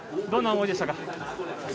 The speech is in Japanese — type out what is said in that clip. どんな思いでしたか。